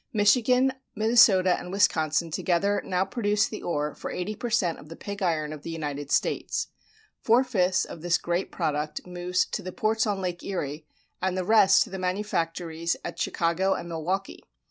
Michigan, Minnesota, and Wisconsin together now produce the ore for eighty per cent of the pig iron of the United States. Four fifths of this great product moves to the ports on Lake Erie and the rest to the manufactories at Chicago and Milwaukee.